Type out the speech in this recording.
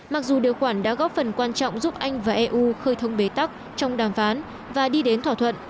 mặc dù điều khoản đã góp phần quan trọng giúp anh và eu khơi thông bế tắc trong đàm phán và đi đến thỏa thuận